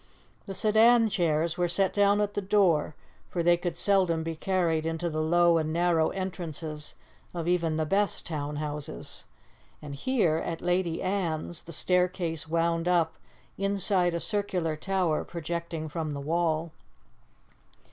The sedan chairs were set down at the door, for they could seldom be carried into the low and narrow entrances of even the best town houses, and here, at Lady Anne's, the staircase wound up inside a circular tower projecting from the wall.